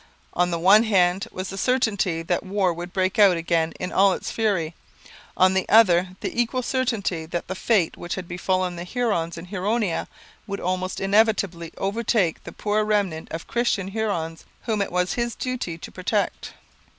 On the one hand was the certainty that war would break out again in all its fury; on the other the equal certainty that the fate which had befallen the Hurons in Huronia would almost inevitably overtake the poor remnant of Christian Hurons whom it was his duty to protect.